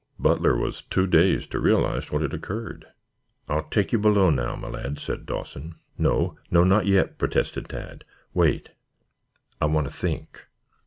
Butler was too dazed to realize what had occurred. "I'll take you below now, my lad," said Dawson. "No, no. Not yet," protested Tad. "Wait. I want to think."